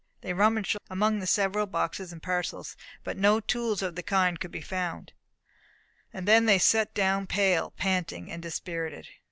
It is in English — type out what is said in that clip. They rummaged among the several boxes and parcels, but no tools of the kind could be found; and then they sat down pale, panting, and dispirited.